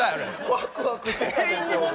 ワクワクするでしょ。